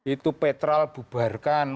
itu petrol bubarkan